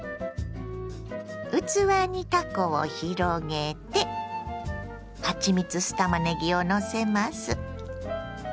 器にたこを広げてはちみつ酢たまねぎをのせます。